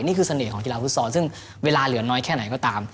นี่คือเสน่ห์ของกีฬาภูมิสอนซึ่งเวลาเหลือน้อยแค่ไหนก็ตาม